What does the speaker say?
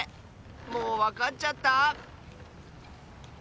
もうわかっちゃった？